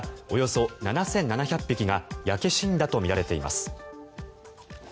およそ７７００匹が焼け死んだとみられています。